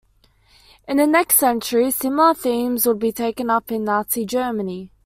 In the next century, similar themes would be taken up in Nazi Germany.